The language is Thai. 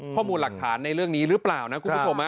ข้อมูลหลักฐานในเรื่องนี้หรือเปล่านะคุณผู้ชม